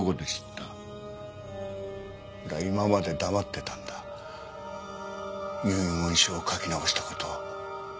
俺は今まで黙ってたんだ遺言書を書き直した事を。